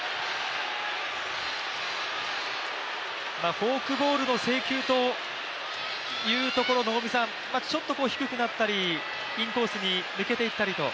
フォークボールの制球というところ、ちょっと低くなったり、インコースに抜けていったりと。